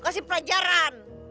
lo kasih pelajaran